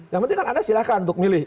yang penting anda silakan untuk memilih